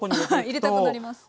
入れたくなります。